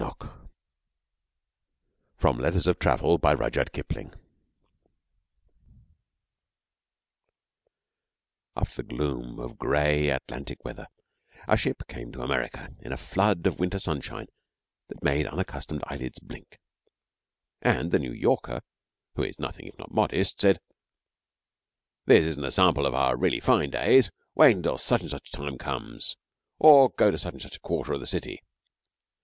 LEAVES FROM A WINTER NOTE BOOK. IN SIGHT OF MONADNOCK After the gloom of gray Atlantic weather, our ship came to America in a flood of winter sunshine that made unaccustomed eyelids blink, and the New Yorker, who is nothing if not modest, said, 'This isn't a sample of our really fine days. Wait until such and such times come, or go to such and a such a quarter of the city.'